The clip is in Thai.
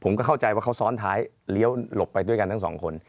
เข้าใจว่าเขาซ้อนท้ายเลี้ยวหลบไปด้วยกันทั้งสองคน